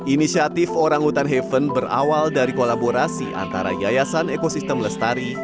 inisiatif orangutan heaven berawal dari kolaborasi antara yayasan ekosistem lestari